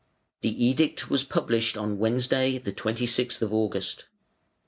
The edict was published on Wednesday the 26th of August.